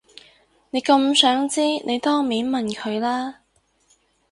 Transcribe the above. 你咁想知你當面問佢啦